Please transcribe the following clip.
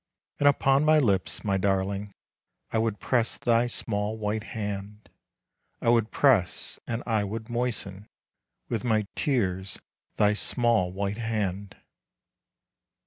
And upon my lips, my darling, I would press thy small white hand. I would press and I would moisten With my tears thy small, white hand.